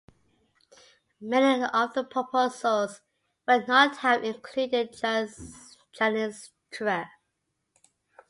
Many of the proposals would not have included Transnistria.